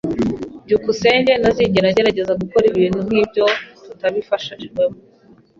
byukusenge ntazigera agerageza gukora ibintu nkibyo tutabifashijwemo.